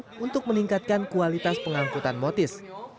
yang memperbaiki kualitas pengangkutan motis